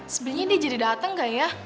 sebelumnya dia jadi dateng gak ya